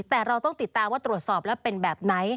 แต่เราต้องติดตามว่าตรวจสอบแล้วเป็นแบบไหน